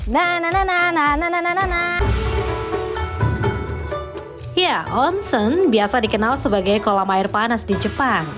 nah onsen biasa dikenal sebagai kolam air panas di jepang